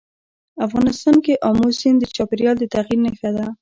افغانستان کې آمو سیند د چاپېریال د تغیر نښه ده.